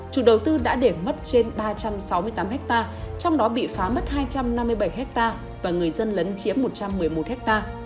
chủ đầu tư đã để mất trên ba trăm sáu mươi tám hectare trong đó bị phá mất hai trăm năm mươi bảy hectare và người dân lấn chiếm một trăm một mươi một ha